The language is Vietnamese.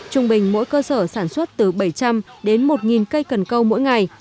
trung bình mỗi cơ sở sản xuất từ bảy trăm linh đến một cây cần câu mỗi ngày